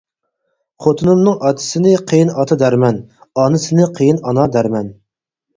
خوتۇنۇمنىڭ ئاتىسىنى قېيىن ئاتا دەرمەن، ئانىسىنى قېيىن ئانا دەرمەن.